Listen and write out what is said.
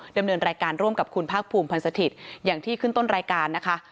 ดำเนินรายการร่วมกับคุณภาคภูมิพันธ์สถิตย์อย่างที่ขึ้นต้นรายการนะคะ